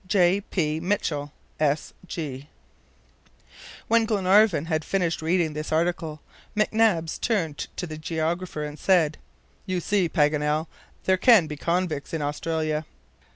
J. P. MITCHELL, S. G. When Glenarvan had finished reading this article, McNabbs turned to the geographer and said, "You see, Paganel, there can be convicts in Australia."